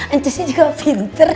ancusnya juga pinter